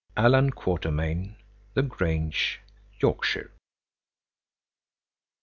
Allan Quatermain. The Grange, Yorkshire.